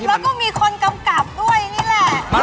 แล้วก็มีคนกำกับด้วยนี่แหละ